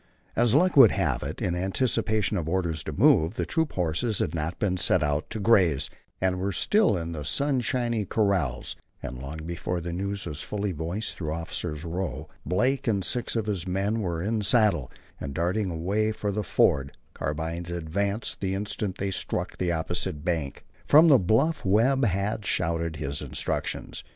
As luck would have it, in anticipation of orders to move, the troop horses had not been sent out to graze, and were still in the sunshiny corrals, and long before the news was fully voiced through officers' row, Blake and six of his men were in saddle and darting away for the ford, carbines advanced the instant they struck the opposite bank. From the bluff Webb had shouted his instructions.